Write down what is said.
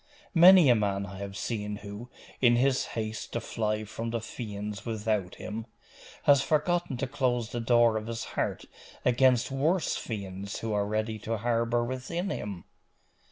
Many a man I have seen who, in his haste to fly from the fiends without him, has forgotten to close the door of his heart against worse fiends who were ready to harbour within him.